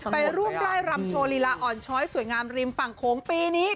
ไปร่วมไล่รำโชว์ลีลาอ่อนช้อยสวยงามริมฝั่งโขงปีนี้